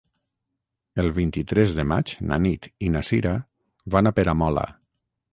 El vint-i-tres de maig na Nit i na Sira van a Peramola.